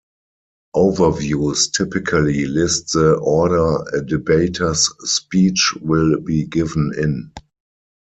Overviews typically list the order a debater's speech will be given in.